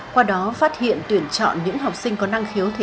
qua đó phát hiện tuyển chọn những học sinh có năng khiếu thể